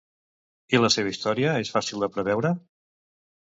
I la seva història és fàcil de preveure?